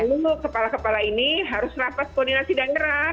lalu kepala kepala ini harus rapat koordinasi daerah